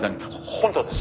本当です。